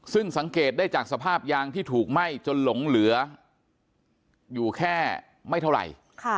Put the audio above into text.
ซึ่งสังเกตได้จากสภาพยางที่ถูกไหม้จนหลงเหลืออยู่แค่ไม่เท่าไหร่